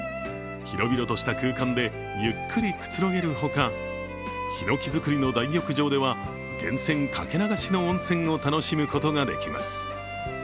広々とした空間でゆっくりくつろげるほか、ひのき造りの大浴場では、源泉掛け流しの温泉を楽しむことができます。